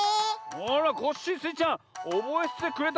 あらコッシースイちゃんおぼえててくれたんけ。